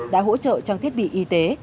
đã hỗ trợ trong thiết bị y tế